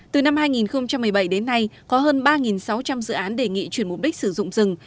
từ năm hai nghìn một mươi bảy đến nay có hơn ba sáu trăm linh dự án đề nghị chuyển mục đích sử dụng rừng